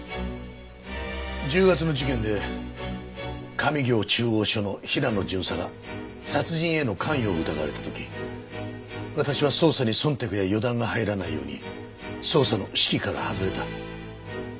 １０月の事件で上京中央署の平野巡査が殺人への関与を疑われた時私は捜査に忖度や予断が入らないように捜査の指揮から外れた。